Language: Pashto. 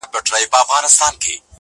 چي ډوب تللی وو د ژوند په اندېښنو کي٫